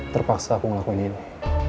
terpaksa aku ngelakuin ini